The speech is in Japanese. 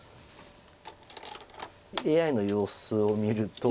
ＡＩの様子を見ると。